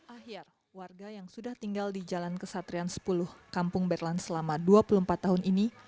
ahyar warga yang sudah tinggal di jalan kesatrian sepuluh kampung berlan selama dua puluh empat tahun ini